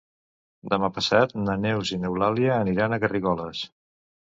Demà passat na Neus i n'Eulàlia aniran a Garrigoles.